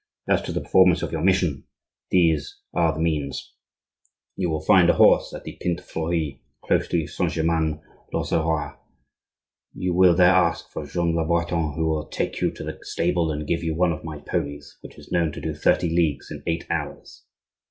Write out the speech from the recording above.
As to the performance of your mission, these are the means: You will find a horse at the 'Pinte Fleurie,' close to Saint Germain l'Auxerrois. You will there ask for Jean le Breton, who will take you to the stable and give you one of my ponies which is known to do thirty leagues in eight hours.